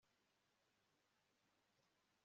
akimara gusohoka mu nzu, imvura itangira kugwa